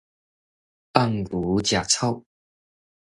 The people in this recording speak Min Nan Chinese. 放牛食草